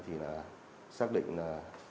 thì là xác định là